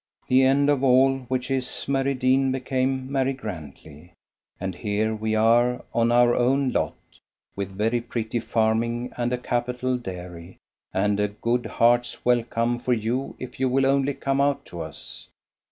The end of all which is Mary Deane became Mary Grantley, and here we are on our own lot, with very pretty farming and a capital dairy, and a good heart's welcome for you if you will only come out to us.